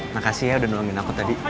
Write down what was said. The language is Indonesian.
makasih ya udah nuangin aku tadi